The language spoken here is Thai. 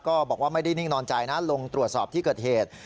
ก็บอกว่าไม่ได้นิ่งนอนใจนะลงตรวจสอบที่เกิดเหตุ